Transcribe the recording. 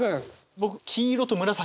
僕黄色と紫。